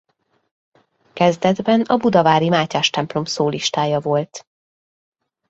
Kezdetben a budavári Mátyás-templom szólistája volt.